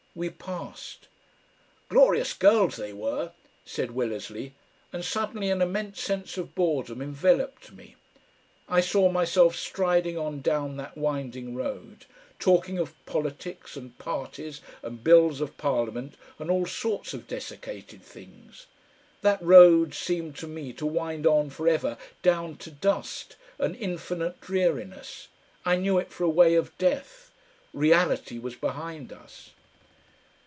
We passed. "Glorious girls they were," said Willersley, and suddenly an immense sense of boredom enveloped me. I saw myself striding on down that winding road, talking of politics and parties and bills of parliament and all sorts of dessicated things. That road seemed to me to wind on for ever down to dust and infinite dreariness. I knew it for a way of death. Reality was behind us.